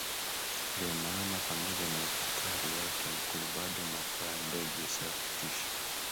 Ndio maana pamoja na uhatari wake mkuu bado mafua ya ndege sio ya kutisha